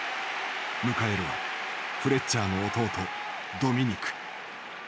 迎えるはフレッチャーの弟ドミニク。